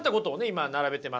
今並べてます。